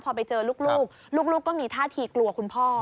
พอไปเจอลูกลูกก็มีท่าทีกลัวคุณพ่อ